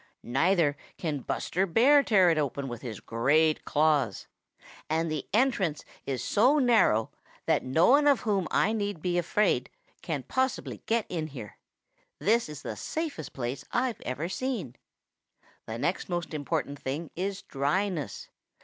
Neither can Buster Bear tear it open with his great claws. And the entrance is so narrow that no one of whom I need be afraid can possibly get in here. This is the safest place I've ever seen. "The next most important thing is dryness.